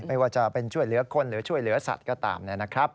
ไม่ว่าจะเป็นช่วยเหลือคนหรือช่วยเหลือสัตว์ก็ตามนะครับ